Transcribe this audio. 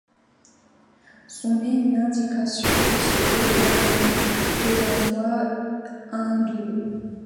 Son nom est une indication qu'il se réclamait de la foi hindoue.